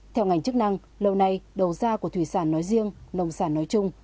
theo ngành chức năng lâu nay đầu ra của thủy sản nói riêng nông sản nói chung